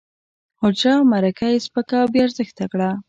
حجره او مرکه یې سپکه او بې ارزښته کړه.